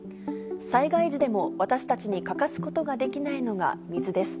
災害時でも私たちに欠かすことができないのが水です。